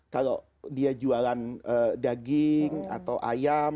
kalau dia jualan daging atau ayam